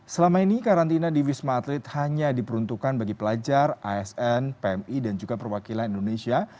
selama ini karantina di wisma atlet hanya diperuntukkan bagi pelajar asn pmi dan juga perwakilan indonesia